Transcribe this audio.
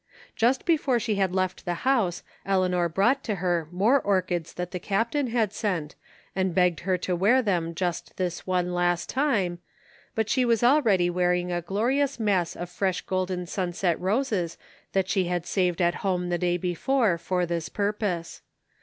Just before she had left the house Eleanor brought to her more orchids that the Captain had sent, and begged her to wear them just this one last time, but she was already wearing a glorious mass of fresh Golden Simset roses that she had saved at home the day before for this purpose.